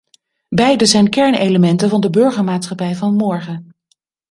Beide zijn kernelementen van de burgermaatschappij van morgen.